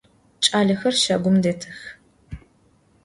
Ç'alexer şagum detıx.